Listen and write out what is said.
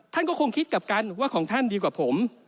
ท่านก็คงคิดกลับกันว่าของท่านดีกว่าผม